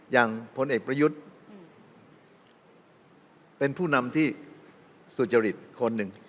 พลเอกประยุทธ์เป็นผู้นำที่สุจริตคนหนึ่ง